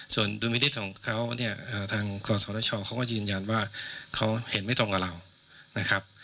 ส่วนดูมิติของเขาทางกศชเขาก็ยืนยันว่าเขาเห็นไม่ตรงกับเรา